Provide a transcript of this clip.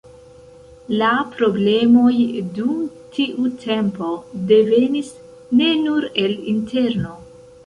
La problemoj dum tiu tempo devenis ne nur el interno.